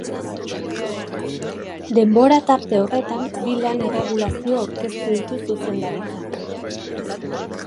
Denbora tarte horretan bi lan-erregulazio aurkeztu ditu zuzendaritzak.